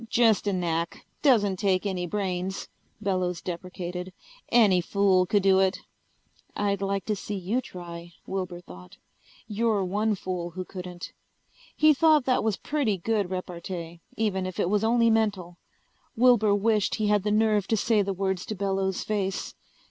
"Just a knack. Doesn't take any brains," Bellows deprecated. "Any fool could do it." I'd like to see you try, Wilbur thought. You're one fool who couldn't. He thought that was pretty good repartee, even if it was only mental. Wilbur wished he had the nerve to say the words to Bellows' face.